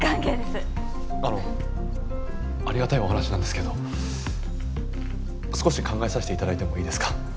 あのありがたいお話なんですけど少し考えさせて頂いてもいいですか？